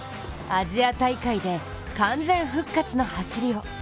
アジア大会で完全復活の走りを。